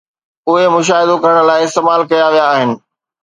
اهي مشاهدو ڪرڻ لاء استعمال ڪيا ويا آهن